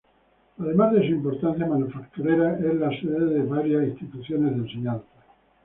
Además de su importancia manufacturera, es la sede de varias instituciones de enseñanza.